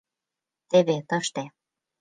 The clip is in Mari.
Теве тыште...